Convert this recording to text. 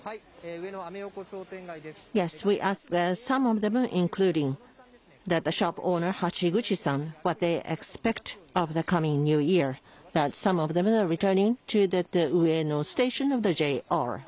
上野アメ横商店街です